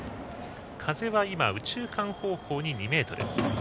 風は今、右中間方向に２メートル。